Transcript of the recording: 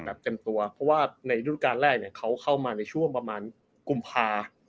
เต็มตัวเพราะว่าในรุ่นการแรกเนี่ยเขาเข้ามาในช่วงประมาณกุมภา